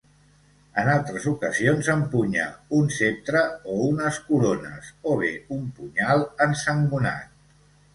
En altres ocasions empunya un ceptre o unes corones, o bé un punyal ensangonat.